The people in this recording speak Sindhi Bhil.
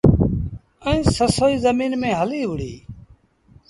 ائيٚݩ سسئيٚ زميݩ ميݩ هليٚ وُهڙيٚ۔